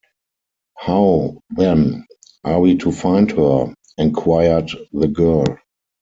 How, then, are we to find her? enquired the girl.